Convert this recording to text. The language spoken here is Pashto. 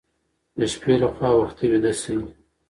د شپې لخوا وختي ویده شئ.